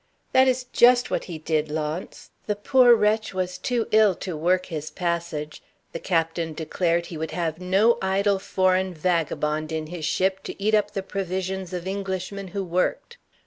"That is just what he did, Launce. The poor wretch was too ill to work his passage. The captain declared he would have no idle foreign vagabond in his ship to eat up the provisions of Englishmen who worked.